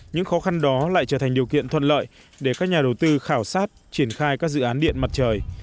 những khó khăn đó lại trở thành điều kiện thuận lợi để các nhà đầu tư khảo sát triển khai các dự án điện mặt trời